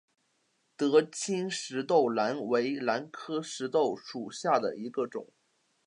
德钦石豆兰为兰科石豆兰属下的一个种。